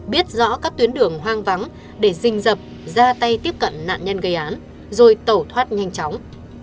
biết rõ các tuyến đường hoang vắng để dình dập ra tay tiếp cận nạn nhân gây án rồi tẩu thoát nhanh chóng